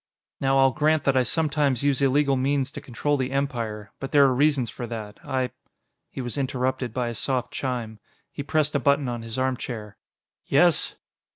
"Now, I'll grant that I sometimes use illegal means to control the Empire. But there are reasons for that. I " He was interrupted by a soft chime. He pressed a button on his armchair. "Yes?"